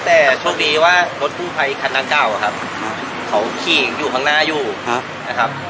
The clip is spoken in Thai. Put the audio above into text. แต่โชคดีว่ารถกู้ภัยคันหน้าเก่าครับเขาขี่อยู่ข้างหน้าอยู่นะครับ